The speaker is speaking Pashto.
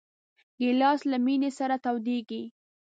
ګیلاس له مېنې سره تودېږي.